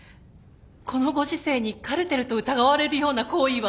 このご時世にカルテルと疑われるような行為は。